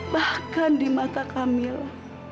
bahkan di mata kamila